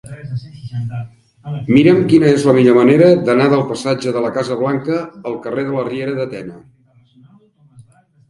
Mira'm quina és la millor manera d'anar del passatge de la Casa Blanca al carrer de la Riera de Tena.